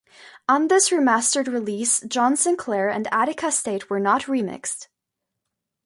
On this remastered release, "John Sinclair" and "Attica State" were not remixed.